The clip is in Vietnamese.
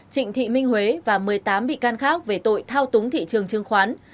trịnh thị minh huế và một mươi tám bị can khác về tội thao túng thị trường chứng khoán